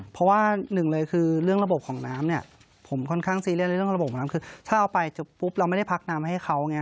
เพราะว่าหนึ่งเลยคือเรื่องระบบของน้ำเนี่ยผมค่อนข้างซีเรียสในเรื่องระบบของน้ำคือถ้าเอาไปปุ๊บเราไม่ได้พักน้ำให้เขาไง